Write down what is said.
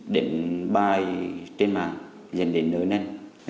đến bài trên mạng dành đến nơi nâng